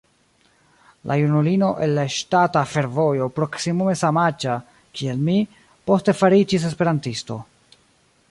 La junulino el la ŝtata fervojo, proksimume samaĝa kiel mi, poste fariĝis esperantisto.